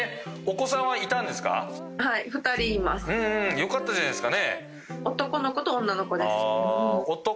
よかったじゃないですか。